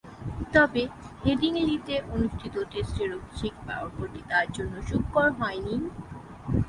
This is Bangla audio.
তবে হেডিংলিতে অনুষ্ঠিত টেস্টের অভিষেক পর্বটি তার জন্যে সুখকর হয়নি।